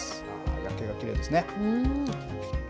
夜景がきれいですね。